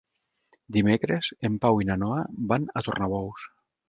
Dimecres en Pau i na Noa van a Tornabous.